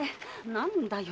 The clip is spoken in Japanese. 何だよ？